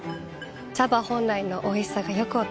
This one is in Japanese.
茶葉本来のおいしさがよく分かります。